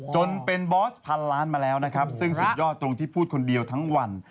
จนเป็นบอสพันล้านมาแล้วนะครับซึ่งสุดยอดตรงที่พูดคนเดียวทั้งวัน